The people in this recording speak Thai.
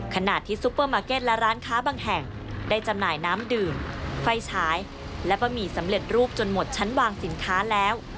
ขณะที่ซุปเปอร์มาร์เก็ตและร้านค้าบางแห่งได้จำหน่ายน้ำดื่มไฟฉายและบะหมี่สำเร็จรูปจนหมดชั้นวางสินค้าแล้ว